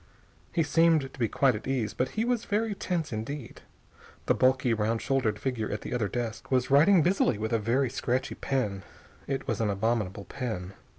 He seemed to be quite at ease, but he was very tense indeed. The bulky, round shouldered figure at the other desk was writing busily with a very scratchy pen. It was an abominable pen.